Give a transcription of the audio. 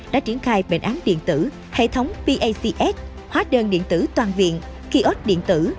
đã triển khai bệnh án điện tử hệ thống pats hóa đơn điện tử toàn viện kiosk điện tử